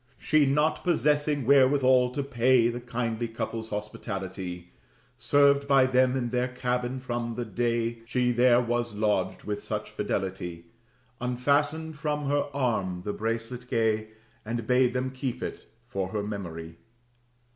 She, not possessing wherewithal to pay The kindly couple's hospitality, Served by them in their cabin, from the day She there was lodged, with such fidelity, Unfastened from her arm the bracelet gay, And bade them keep it for her memory.